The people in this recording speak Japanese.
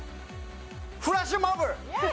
フラッシュモブ！